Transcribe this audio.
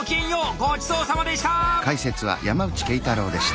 ごちそうさまでした！